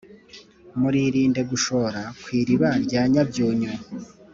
"muririnde gushora ku iriba rya nyabyunyu,